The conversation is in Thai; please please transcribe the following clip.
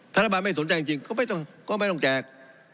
ถ้ารัฐบาลไม่สนใจจริงก็ไม่ต้องแจก